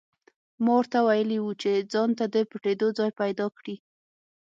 ما ورته ویلي وو چې ځانته د پټېدو ځای پیدا کړي